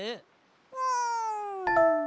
うん。